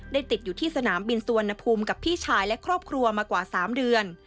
ติดอยู่ที่สนามบินสุวรรณภูมิกับพี่ชายและครอบครัวมากว่า๓เดือน